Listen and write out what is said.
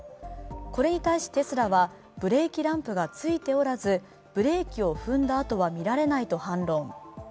これに対しテスラは、ブレーキランプがついておらず、ブレーキを踏んだ跡はみられないと反論。